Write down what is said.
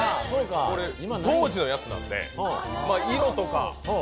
当時のやつなんで、色とか。